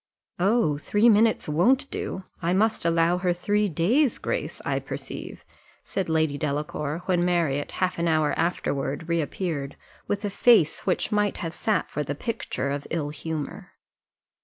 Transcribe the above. Oh, three minutes won't do; I must allow her three days' grace, I perceive," said Lady Delacour when Marriott half an hour afterward reappeared, with a face which might have sat for the picture of ill humour.